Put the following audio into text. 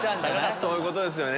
そういうことですよね。